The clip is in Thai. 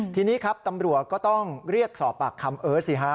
ทีนี้ครับตำรวจก็ต้องเรียกสอบปากคำเอิร์ทสิฮะ